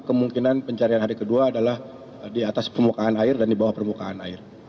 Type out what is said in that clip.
kemungkinan pencarian hari kedua adalah di atas permukaan air dan di bawah permukaan air